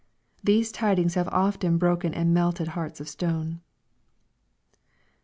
These tidings have often broken and melted hearts of stone.